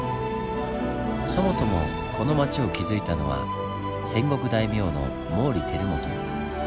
そもそもこの町を築いたのは戦国大名の毛利輝元。